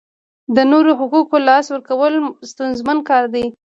د نورو حقوقو لاسه ورکول ستونزمن کار دی.